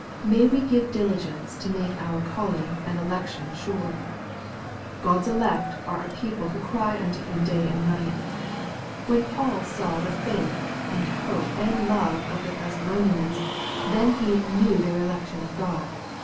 May we give diligence to make our calling and election sure !( God's elect are a people who cry unto Him night and day. ] When Paul saw the &ith, and hope, and love of the l^hessalonians, then he knew " their election of God."